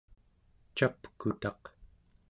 capkutaq